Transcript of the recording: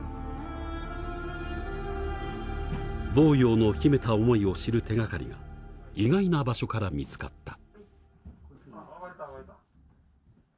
亡羊の秘めた思いを知る手がかりが意外な場所から見つかった。